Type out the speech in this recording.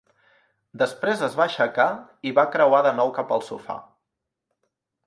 Després es va aixecar i va creuar de nou cap al sofà.